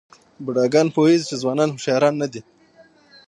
بوډاګان پوهېږي چې ځوانان هوښیاران نه دي.